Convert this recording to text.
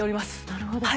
なるほど。